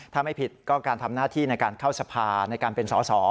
ถ้าไม่ผิดก็การทำหน้าที่ในการเข้าสภาในการเป็นสอสอ